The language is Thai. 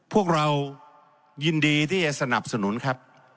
พวกเรายินดีที่จะสนับสนุนครับ